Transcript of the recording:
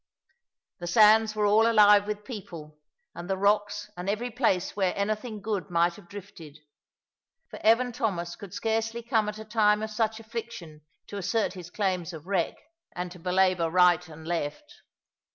The sands were all alive with people, and the rocks, and every place where anything good might have drifted. For Evan Thomas could scarcely come at a time of such affliction to assert his claims of wreck, and to belabour right and left.